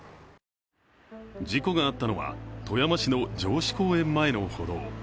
事故があったのは富山市の城址公園前の歩道。